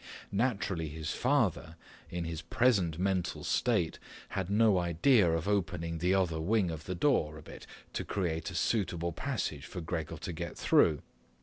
Naturally his father, in his present mental state, had no idea of opening the other wing of the door a bit to create a suitable passage for Gregor to get through.